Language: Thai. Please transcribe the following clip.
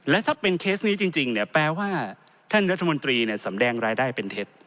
และถ้าเป็นเคสนี้จริงเนี่ยแปลว่าท่านรัฐมนตรีสำแดงรายได้เป็นเท็จ